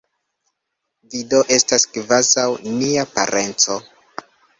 Vi do estas kvazaŭ nia parenco.